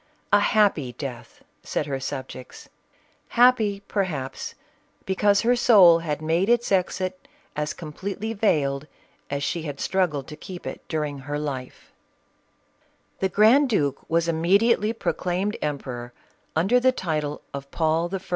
" A happy death !" said her subjects. " Happy," perhaps, because her soul had made its exit as completely veiled as she had struggled to keep it during her life. CATHERINE OF RUSSIA. The grand duke was immediately proclaimed empe ror under the title of Paul I.